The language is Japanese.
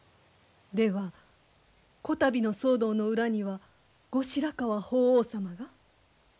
ではこたびの騒動の裏には後白河法皇様が？